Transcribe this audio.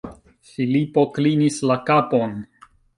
Filipo klinis la kapon.